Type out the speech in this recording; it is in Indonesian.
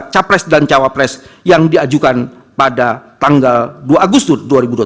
capres dan cawapres yang diajukan pada tanggal dua agustus dua ribu dua puluh